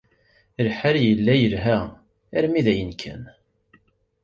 Lḥal yella yelha armi dayen kan.